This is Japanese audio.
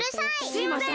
すいません！